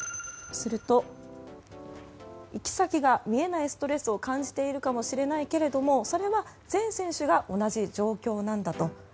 すると、先行きが見えないストレスを感じているかもしれないけれどもそれは全選手が同じ状況だと。